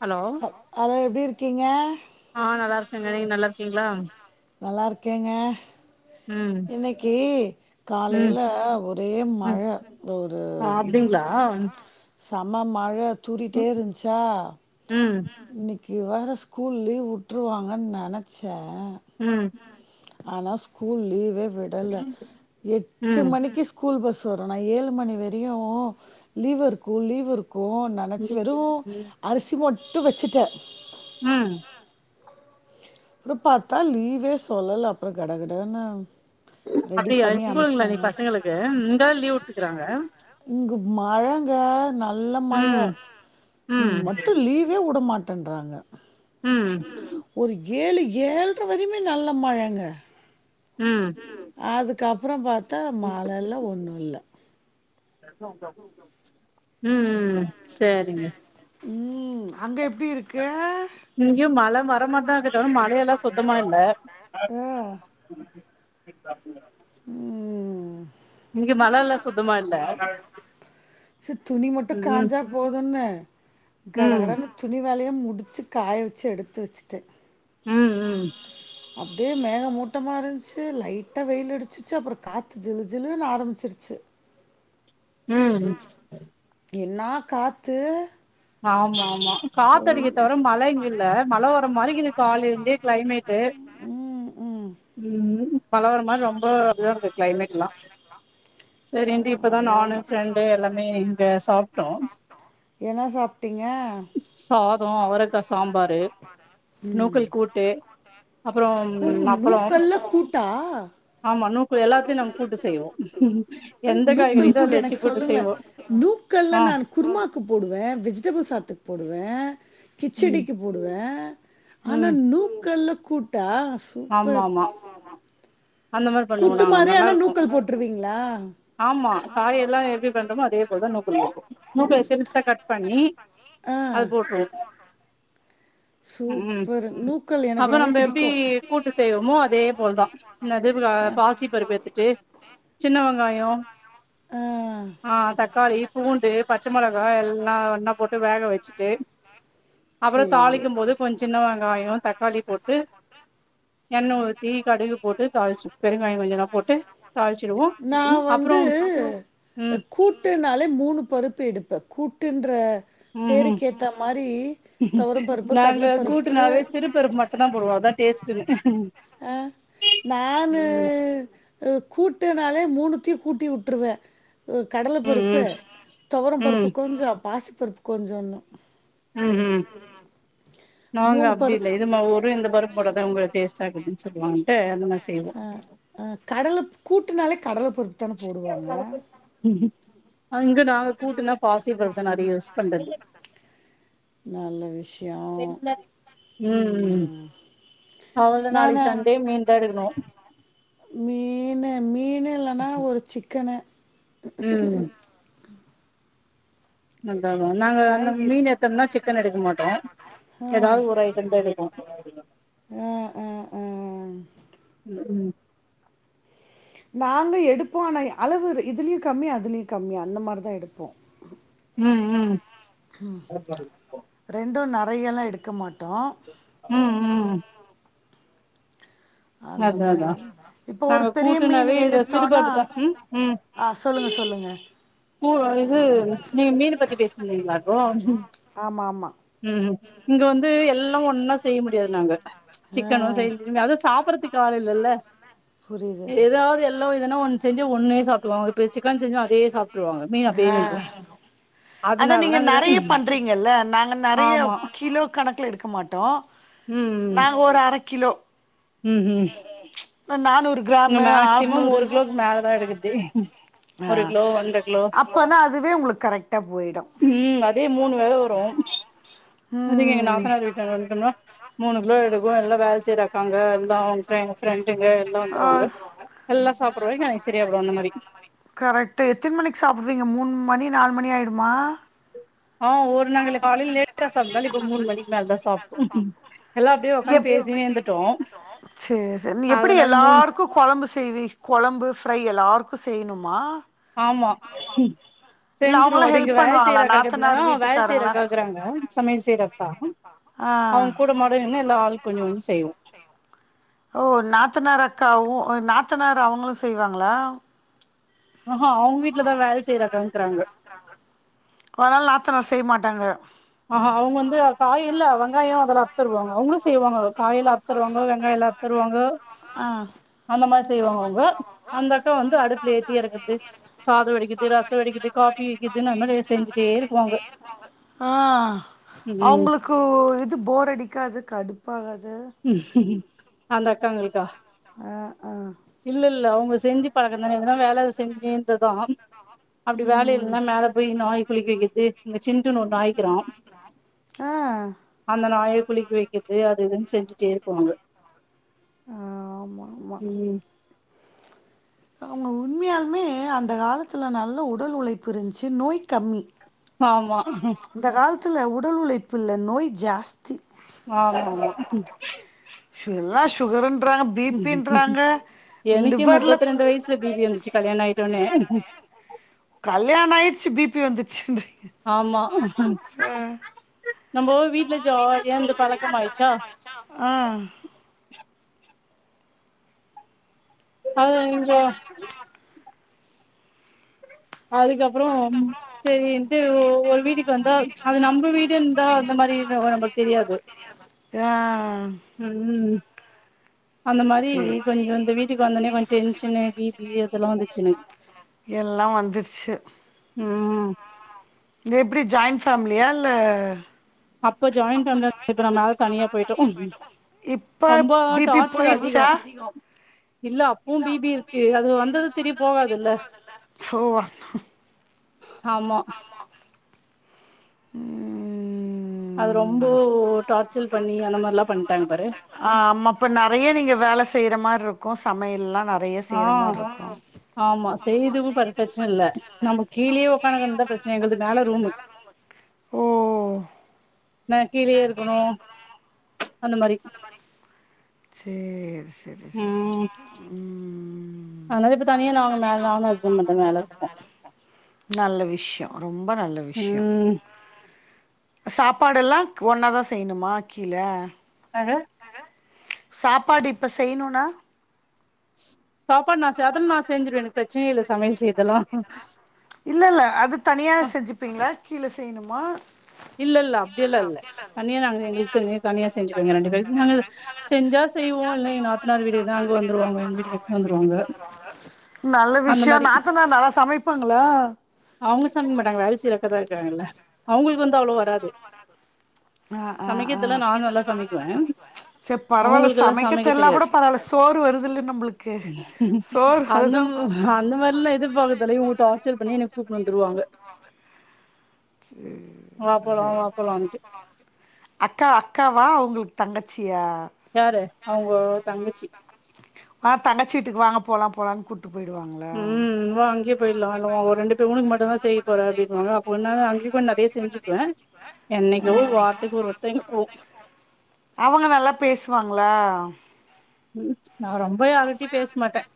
Hello ஹ hello எப்டி இருக்கீங்க ஆ நல்லா இருக்கேங்க நீங்க நல்லா இருக்கீங்ளா நல்லா இருக்கேங்க ம் இன்னைக்கி ம் காலைல ஒரே மழ ம் ஒரு ஆ வந் செம மழ தூறிட்டே இருந்த்ச்சா ம் இன்னைக்கி வேற ஸ்கூல் லீவ் விட்ருவாங்கன் நெனச்சே ம் ஆனா ஸ்கூல் லீவே விடல எட்டு ம் மணிக்கு ஸ்கூல் பஸ் வரு நா ஏழு மணி வரையு லீவ் இருக்கு லீவ் இருக்கு ந னச்சி வெறு முஞ்சிச்சு ம் அரிசி மட்டு வச்சுட்டே அ அப்றோ பார்த்தா லீவே சொல்லல அப்றோ கடகடன்னு ரெடி அப்டியா பண்ணி இஸ்கூலுங்களா அமிச்சாங்க இன்னைக் பசங்களுக்கு இந்தா லீவ் வுட்ருக்காங்க இங்க மழங்க நல்ல மழ ம் இங் ம் மட்டு லீவே விடமாட் றாங்க ம் ஒரு ஏழு ஏழ்ர வரயுமே நல்ல மழங்க ம் அதுக்கப்றோ பாத்தா மழ இல்ல ஒன்னு இல்ல ம்ம் சரிங்க ம் அங்க எப்டி இருக்க இங்கயு மழ வரமார்தா இருக்கு தவர மழ எல்லா சுத்தமா இல்ல ஆ ம் இங்கு மழ எல்லா சுத்தமா இல்ல ச்சு துணி மட்டு ம் காஞ்சா போதுன்னு ம் கடகடன்னு துணி வேலய முடிச்சு காய வச்சு எடுத்து வச்சுட்டே ம் ம் அப்டியே மேக மூட்டமாக இருந்ச்சு லைட்டா வெயில் அடிச்சிச்சு அப்பறோ காத்து ஜிலு ஜிலனு ஆரம்பிச்சிருச்சி ம் என்னா காத்து ஆமா ஆமா காத்தடிக்க தவிர மழ இங்க இல்ல மழை வர மாரி இருக்குது காலைல இருந்தே கிளைமேட்டு் ம் ம் ம் மழ வர்ர மார் ரொம்ப அப்டிதா இருக்கு கிளைமேட்லா சரிண்டு இப்பதா ஆமா நானு ஆமா ஃப்ரெண்டு எல்லாமே இங்க சாப்ட்டோ என்ன சாப்ட்டீங்க சாதோ அவரக்கா சாம்பாரு ம் நூக்கல் கூட்டு அப்புறோ ஓ அப்பளோ நூக்கல்ல கூட்டா ஆமா நூக்குல் எல்லாத்லயு நம்ம கூட்டு செய்வோ அஹ், எந்த காய்கறி நூக்கல் கெடைக்தோ அது வச்சு எனக்கு கூட்டு சொல்லுங்களே செய்வோ நூக்கல்ல ஆ நானு க்கு போடுவே வெஜிடபிள் சாத்துக்கு போடுவே ம் கிச்சடிக்கு போடுவே ஆனா ம் நூக்கல்ல கூட்டா ஆமா சூப்பர் ஆமா அந்த மாரி பண்ணுவோ கூட்டு நாங்க மாரி நல்லா ஆனா இருக்கு நூக்கல் போட்ருவீங்களா ஆமா காய் எல்லா எப்டி பண்றமோ அதே போலதா நூக் நூக்குல சிறுசா கட் பண்ணி அது ஆ போட்ருவோ ம் ம் சூப்பர் நூக்கல் அப்ப எனக்கு ரொம்ப நம்ம எப்டி பிடிக்கு கூட்டு செய்வோமோ அதே போல தா அதே போல பாசி பருப்பு எத்துட்டு சின்ன வெங்காயோ ஆ ஆ தக்காளி பூண்டு பச்ச மெளகா எல்லா ஒண்ணா போட்டு வேக வச்சிட்டு அப்பறோ சேரி தாளிக்கும் போது கொஞ்ச சின்ன வெங்காயோ தக்காளி போட்டு எண்ணெ ஊத்தி கடுகு போட்டு தாளிச்சு பெருங்காயோ கொஞ்சமா போட்டு தாளிச்சிடுவோ நா அப்றோ வந்து ம் கூட்டுன்னாலே மூணு பருப்பு எடுப்பே கூட்டுன்ற ம் ம் பேருக்கு ஏத்த மாரி துவரம் பருப்பு கடலப் பருப்பு அதா போடுவோ அதா டேஸ்ட்ன்னு ஆ நானு கூட்டுனாலே மூணுத்தையு கூட்டி விட்ருவே கடலப் ம் பருப்பு ம் துவரம் ம் பருப்பு கொஞ்சோ பாசிப்பருப்பு கொஞ்சோன்னு ம் ம் நாங்க மூணு அப்டி இல்ல பருப் இது மா ஒரு இந்த பருப்பு போட்டாதா உங்களுக்கு டேஸ்ட்டா ஆககுதுன்னு சொல்லுவாங்கன்ட்டு அந்த மாரி செய்வோ ஆ ஆ கடலப் கூட்டுனாலே கடலப் பருப்பு தான போடுவாங்க அங்க நாங்க கூட்டுன்னா பாசிப்பருப்புதா நெறையா யூஸ் பண்றது நல்ல விஷ்யோ ம் அவ்ளதா நாளைக்கி நானு சண்டே மீன்தா எடுக்கணு மீன் மீன் இல்லன்னா ஒரு சிக்கனு ம் அதா அதா நாங்க அந்த தேங்க் மீன் எடுதோம்னா சிக்கன் எடுக்க மாட்டோ ஆ ஏதாது ஒரு அய்ட்டம்தா எடுப்போ ஆ ஆ ஆ ம் ம் நாங்க எடுப்போ ஆனா அளவு இதுலயு கம்மி அதுலயு கம்மி அந்த மாரிதா எடுப்போ ம் ம் ம் ரெண்டு நெறையால்லா எடுக்க மாட்டோ ம் ம் அந்த அதா மாரி அதா இப்ப ஒரு நாங்க பெரிய மீன் கூட்டுனாவே இங்க எடுத்தோன்னா சிறுபருப்பு தா ம் ஆ சொல்லுங்க சொல்லுங்க பூ இது நீங்க மீன பத்தி பேசின்னுருந்தீங்களா இப்போ ஆமா ஆமா ம் ம் இங்க வந்து எல்லா ஒன்னா செய்ய முடியாது நாங்க ஆ சிக்கனு செய்யணு திரும்பி அதுவு சாப்ர்றதுக்கு ஆள் இல்லல்ல புரியுது ஏதாவது எல் லோஇதனோ ஒண்ணு செஞ்சே ஒன்னே சாப்ட்க்குவாங்க இப்போ சிக்கன் செஞ்சா அதே சாப்ட்ருவாங்க மீன் அப்டியே நின்று அதா அதனால நீங்க நாங்க ரெ நெறைய பண்றீங்கல்ல நாங்க நெறைய ஆமா கிலோ கணக்குல எடுக்க மாட்டோ ம் நாங்க ஒரு அர கிலோ ம் ம் இந்த நானூறு இங்க கிராமு மேக்சிமம் ஆறுநூறு ஒரு கிலோக்கு மேலதா எடுக்குறதே ஆ ஒரு கிலோ ஒன்ற கிலோ அப்பன்னா அதுவே உங்களுக்கு கரெக்ட்டா போயிடு ம் அதே மூணு வேள வரு அதுக்கு எங்க ம் நாத்தனார் வீட்டான்ட வந்துடோம்னா மூணு கிலோ எடுக்கு எல்லா வேல் செய்ற நாங்க [unintelligible] ஃப்ரெண்டுங்க எல்லா ஆ வந்துருவாங்க எல்லா சாப்பற்ற வரைக்கு [unintelligible] அந்த மாரி கரெக்ட்டு எத்தின் மணிக்கு சாப்புடுவீங்க மூணு மணி நால் மணி ஆயிடுமா ஆ ஒரு நாங்களே காலில லேட்டா சாப்தால இப்ப மூணு மணிக்கு மேல தா சாப் எப் இருந்துட்டோ சேரி நீ எப்டி அதனால மூணு எல்லார்க் கு கொழம்பு செய்வி கொழம்பு ஃப்ரை எல்லாருக்கு செய்ணுமா ஆமா ம் இல்ல செஞ்சிருவே அவங்களா அது இங்க ஹெல்ப் வேல செய்ற பண்ணுவாங்களா அக்காக்கு நாத்தனார் இருந்துதுனா வேல செய்ற வீட்டுக்காரங்களா அக்காகுறாங்க சமையல் செய்ற அக்கா ஊ ஆ கூட மாட நின்னு எல்லா ஆள்க் கொஞ்சோ கொஞ்சோ செய்வோ ஓ நாத்தனார் அக்காவு நாத்தனார் அவுங்களு செய்வாங்களா ஆஹா அவுங்க வீட்லதா வேல செய்ற அக்காவுங்கிறாங்க அதனால நாத்தனார் செய் மாட்டாங்க ஆ அவுங்க வந்து காய் இல்ல வங்காயோ அதுலா அர்த்தருவாங்கோ அவுங்குளு செய்வாங்கோ காய்லா அர்த்தருவாங்கோ வெங்காய்ல அர்த்தருவாங்கோ ஆ அந்த மார் செய்வாங்க அவுங்கோ அந்த அக்கா வந்து அடுப்புல ஏத்தி எரக்கர்து சாதோ வடிக்கர்து ரசோ வெடிக்கர்து காஃபி வெக்குதுன்னு அந்த மாரி எதா செஞ்சிட்டே இருக்குவாங்க ஆ ம் அவுங்களுக்கு இது போர் அடிக்காது கடுப்பாகாது அந்த அக்காங்களுக்கா அ ஆ இல்லல்ல அவுங்க செஞ்சி பழக்கந்தான எதுனா வேல செஞ்சினே இருந்தத்தா அப்டி வேல ம் இல்னா மேல போய் நாய் குளிக்க வெக்கர்து இங்க சின் [unintelligible] ஆ அந்த நாய குளிக்க வெக்கர்து அது இதுன் செஞ்சிட்டே இருக்குவாங்க ஆமாம்மா அவுங்க உண்மையால்மே அந்த காலத்துல நல்ல உடல் உலைப்பு இருந்சி நோய் கம்மி ஆமா இந்த காலத்துல உடல் உலைப்பு இல்ல நோய் ஜாஸ்தி ஆமாம்மா சு எல்லா சுகருன்றாங்க பி எனுக்கே முப்பத்ரெண்டு வயிஸ்ல பி பி வந்துச்சு கல்யாண ஆயிட்டோன்னே கல்யாணாயிருச்சு பி பி வந்துச்சின்றீங்க ஆமா நம்போ வீட்ல ஜாலியா இந்து பலக்கம் ஆயிச்சா ஆ அது கொஞ்சோ அதுக்கப்பறோ ம் செரின்ட்டு ஒ ஒரு வீட்டுக் வந்தா அது நம்ப வீடு இந்தா அந்த மாரி [unintelligible] நம்பக்கு தெரியாது ஆ ம் அந்த மாரி சரி கொஞ்சோ இந்த வீட்டுக்கு வந்தேனே கொஞ்ச டென்ஷன்னு பி பி இதெல்லா வந்துச்சு எனக் எல்லா வந்துர்ச்சு ம் இதெப்டி ஜாயிண்ட் ஃபேமிலியா இல்ல அப்ப ஜாயிண்ட் ஃபேமிலியா இருந்தோ, இப்ப நம்ம எல்லாரு தனியா போயிட்டோ இப்ப ரொம்ப பி பி டார்ச்சர் அதிகோ போயிருச்சா நோ இல்ல அப்பவு பி பி இருக்கு அது வந்தது திருப்பி போகாதுல்ல ஓ ஆமா ம் அது ரொம்போ டார்ச்சல் பண்ணி அந்த மாரில்லாம் பண்ட்டாங்க பாரு ஆ ஆமா இப்ப நெறைய நீங்க வேல செய்ற மாரி இருக்கும் சமையல்லாம் ந ஆன் ஆமா செய்துவும் பார் ப்ரச்சனை இல்ல நம்ம கீழேயே உக்காணக்கந்தான் ப்ரச்சனை எங்கள்து மேல ரூமு ஓ நா கீழேயே இருக்குணும் அந்த மாரி சேர் செரி செரி செரி ம் ம் ம் அதனால இப்ப தனியா நாங்க மேல நானு ஹஸ்பண்ட் மட்டு மேல இருக்கோ நல்ல விஷ்யோ ரொம்ப நல்ல விஷ்யோ ம் சாப்பாடுல்லாம் ஒன்னாதா செய்ணுமா கீழே அ சாப்பாடு இப்போ செய்யுணுன்னா சாப்பாடு நா செய்றது நா செஞ்சடுவேன் எனக்கு ப்ரச்சனைய இல்ல சமையல் செய்றதுலா இல்ல இல்ல அது தனியா செஞ்சுப்பீங்களா கீழ செய்ணுமா இல்ல இல்ல அப்படியெல்லாம் இல்ல தனியா நாங்க எங்களுக்கு த தனியா செஞ்சுக்கோங்க ரெண்டு பேரு நாங்க செஞ்சா செய்வோம் இல்லை நாத்தனார் வீட்டுக்கு தான் அங்க வந்துருவாங்க எங்க வீட்டு எடுத்துன் வந்துருவாங்க நல்ல அந்த விஷ்யம் மாரி நாத்தனா நல்லா சமைப்பாங்களா அவ்ங்க சமைக்க மாட்டாங்க வேல செய்ற அக்காதா இருக்காங்கள்ள அவங்களுக்கு வந்து அவ்ளோ வராது ஆ ஆ ஆ சமைக்கிறதெல்லா நா நல்லா சமைக்குவே சேர் பரவாயில்ல அவங்களுக்கெல்லா சமைக்க தெரியலனா கூட தெரியாது பரவால சோறு வருதுல நம்மளுக்கு சோறு அந்த அதுதான். ம் அந்த மாரில்லா எதிர் பாக்றதுல இங்க டார்ச்சர் பண்ணி எனக் கூட்டுன்னு வந்துருவாங்க சேரி வா போலா சேரி வா போலான்ட்டு அக்கா அக்காவா அவங்ளுக்கு தங்கச்சியா யார் அவங்க தங்கச்சி அ தங்கச்சி வீட்டுக்கு வாங்க போலாம் போலாம்னு கூட் போய்டுவாங்களா ம் வா அங்கயே போயிடலாம் இல்ல ஓன் ரெண்டு பேர் உனக்கு மட்டுன்தா செய்ய போறே அப்டின்னுவாங்க ஒண்ணா தா அங்கயு கொஞ்சோ நெறைய செஞ்சிக்குவேன் என்னைக்கோ ஆ ஒரு வார்த்துக்கு ஒரு வாட்டி தா அங்க போவோ அவங்க நல்லா பேசுவாங்களா நான் ரொம்ப யார்டியு பேசமாட்டேன்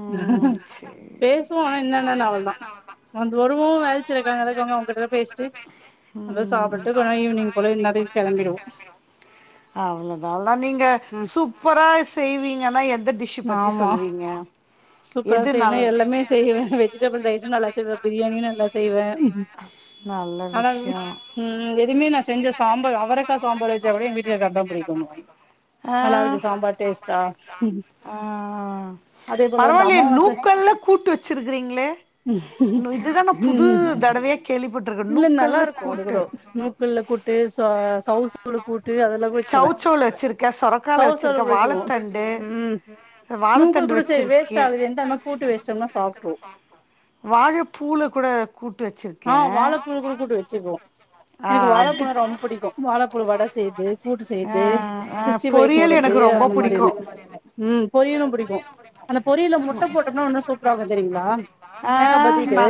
ம் சேரி பேசுவோம் ஆனா என்னன்ன என்ன அவ்ளோ தா வந்து வருவோம் வேல செய்ற அக்கா இருக்காங்க அவங்ககிட்டல்லா பேசிட்டு நல்லா ம் சாப்பிட்டு கொஞ்சம் ஈவினிங் போல இன்நேரத்துக்கு கிளம்பிடுோம் அவ்ளோதா நீங்க ம் சூப்பரா செய்வீங்கனா எந்த டிஷ் பத்தி ஆமா சொல்லுவீங்க சூப்பரா எது செய்யவேன்னா நல் எல்லாமே செய்வேன் வெஜிடபிள் ரைஸம் நல்லா செய்வேன் பிரியாணியும் நல்லா செய்வேன் நல்ல ஆனா விஷயோ ம் எதுமே நா செஞ்ச சாம்பார் அவரக்கா சாம்பார் வச்சா கூட என் வீட்டுக்காரர்க்கு அதா புடிக்குன்னுவாங்க நல்லா இருக்கு சாம்பார் டேஸ்ட்டா அ அதே போல இந்த பரவாயில்லைய அமாவாசை நூக்கள்ல்ல கூட்டு வச்சிருக்கறீங்களே இதுதா நா புது தடவையா கேள்விப்பட்டு இல்ல நல்லா இருக்கும் அது கூட மூக்கல்ல கூட்டு சவுசவு கூட்டு அதெல்லா கூ சௌசௌ வச்சிருக்க சொரக் சவ் சவ்ள குடிச்சுக்வோம் ம் நூக்கல் வாழத்தண்டு கூட சரி வேஸ்ட் வச்சிருக்கே ஆவுதேன் தா இன்ன கூட்டு வெஸ்ட்டோனா சாப்ட்ரு வாழப்பூல கூட கூட்டு வச்சிரு ஆ வாழப்பூல கூட கூட்டு வச்சிருக்கோ ஆ எனக்கு அது வாழப்பூன்னா ரொம்ப புடிக்கும் வாழப்பூல வட செய்ற்து கூட்டு செய்ற்து ஆ ஆ சிக்ஸ் ஸ்ட்டிபை பொரியல் போட்றது எனக்கு ரொம்ப அந்த புடிக்கு மாரிலா ம் பொரியலும் புடிக்கும் அந்த பொரியல்ல முட்ட போட்டோம்னா இன்னு சூப்பரா இருக்கும் தெரியுங்ளா ஆ தேங்கா பதிலு நா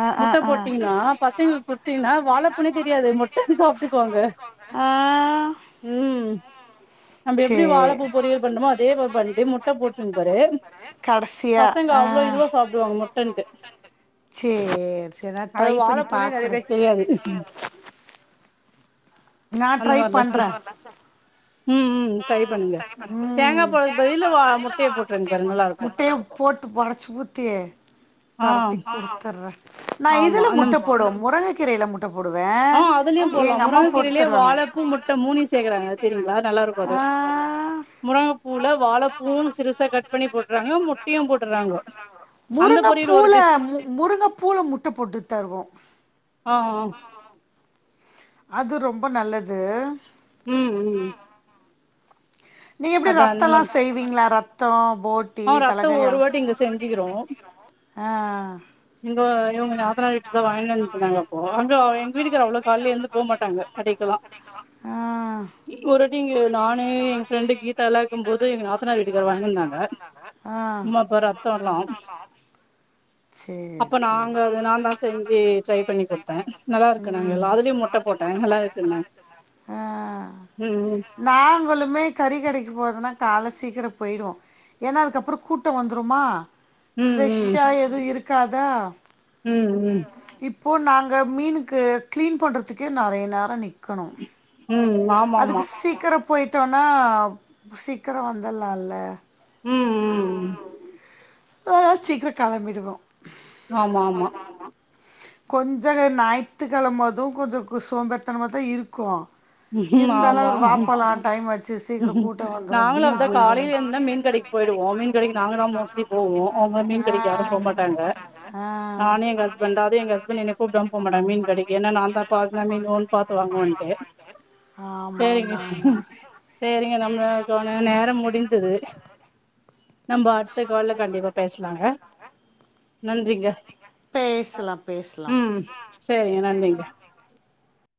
ஆ முட்ட ஆ போட்டீங்ன்னா பசங்ளுக்கு கு த்தின்னா வாழப்பூனே தெரியாது ஆ முட்டன் சாப்ட்டுக்குவாங்க ஆ ம் நம்ப சே எப்டி வாழப்பூ பொரியல் பண்றமோ அதே மாரி பண்ட்டு முட்ட போட்டுன் பாரு கடசியா பசங்க ஆ அவ்ளோ இதுவா சாப்டுவாங்க முட்டன்ட்டு சேர் சேரி நா அது ட்ரை பண்ணி வாழப்பூனே நெறைய பாக்குறே பேருக்கு தெரியாது ம் ம் நா அந்த ட்ரை மாரிலா பண்ற செய் ம் ம் ட்ரை பண்ணுங்க தேங்கா ம் பால் பதிலு வா முட்டைய போட்ருங்க பாரு நல்லா இருக்கு முட்டய போட்டு ஒடச்சு ஊத்து ஆ பெரட்டி குடுத்துர்ற நா ஆமா இதுல அந்த முட்ட போடுவ முருங்க கீரயில முட்ட போடுவ அ அதுலயும் போல்லா முருங்க கீரையிலே வாழப்பூ முட்ட மூணயு சேக்கறாங்க அது தெரியங்ளா நல்லா இருக்கும் ஆ அதுவு முருங்கப்பூல வாழப்பூவும் சிறுசா கட் பண்ணி போட்றாங்க முட்டயும்‌ போட்டுறாங்கோ முருங்கப்பூல இல்லை முருங்கப்பூல முட் ட போட்டு தருவோம் அ அ அ அது ரொம்ப நல்லது ம் ம் ம் நீங்க எப்டி அதா ரத்தோலா செய்வீங்ளா ரத்தோ போட் அ ரத்தோ ஒரு வாட்டி இங்க செஞ்சுக்கிறோ அ அ இங்க இவுங்க நாத் த்தனார் வீட்டுக்கார் வாயின் வந்துருவ்ங்க அப்போ இங்க எங் வீட்டுக்காரு அவ்ளோ காய்ல எழுந்து போ மாட்டாங்க கடைக்குல்லா ஆ இப்ப ஒருவாட்டி இங்க நானு எங்க ஃப்ரெண்டு் கீதால்லா இருக்கும் போது எங்க நாத்தனார் வீட் இங்க வந்துருந்தாங்க ஆ சேரி அப்ப சேரி நாங்க நா தா செஞ்சு ட்ரை பண்ணி குட்த்த நல்லா இருக்குனாங்க எல்லா அதுலயும் முட்ட போட்ட நல்லா இருக்குனாங்க ஆ ம் ம் நாங்களுமே கறி கடைக்கு போற்துன்னா காய்ல சீக்கிரம் போய்டுவோ ஏன்னா அதுக்கப்புறோ கூட்டோ வந்துருமா ம் ம் ஃரெஷ்ஷா எதுவு இருக்காதா ம் ம் இப்போ நாங்க மீனுக்கு க்ளீன் பண்ணுறதுக்கே நெறைய நேரோ நிக் க்கணு ம் ம் ஆமா அதுக்கு ஆமா சீக்கரோ போய்ட்டோனா சீக்கிர வந்துல்லால ம் ம் ம் ஆ சீக்கிரோ கெளம்பிடுவோ ஆமா ஆமா கொஞ்ச ஞாயி்த்துகெழம அதும் கொஞ்சோ குஷ் சோம்பற்த்தனமா தா இருக்கும் ம் இருந்தாலு அவர் ஆமா வாபோலா டைம்மாச்சு சீக்கிர கூட்ட வந்துரும் நாங்களு வீணா அப்டிதா போ காலையில எழுந்தா மீன் கடைக்கு போயிடுவோ மீன் கடைக்கு நாங்க தா மோஸ்ட்லி போவோ அவுங்க மீன் கடைக்கு யாரு போ ஆ மாட்டாங்க ஆ நானு எங்க ஹஸ்பண்டாது எங்க ஹஸ்பண்ட் என்ன கூப்டாம போமாட்டாங்க மீன் கடைக்கி ஏனா நாந்தா பாத்னா மீன் ஒன் பாத்து வாங்குவன்ட்டு ஆமாமா ஆமா செரிங்க நமபுளுக்கான நேர முடிஞ்சது நம்ப அட்த்த கால்ல கண்டிப்பா பேச்லாங்க நன்றிங்க பேசுலா பேச்லா செரிங்க நன்றிங்க